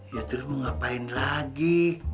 ya terus mau ngapain lagi